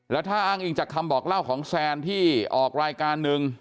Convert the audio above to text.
แล้วถ้าอ้างอิงจากคำบอกเล่าของแซนที่ออกรายการหนึ่ง